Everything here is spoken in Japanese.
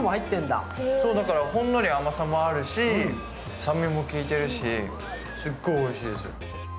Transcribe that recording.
ほんのり甘さもあるし、酸味も効いてるし、すっごいおいしいです。